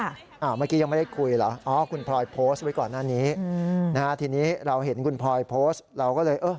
ราคาที่ซื้อเนี่ยเราก็เหมือนให้ราคาดีกว่าเจ้าอื่น